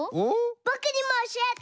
ぼくにもおしえて。